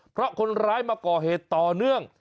เพราะคนร้ายมาก่อเหตุต่อเนื่อง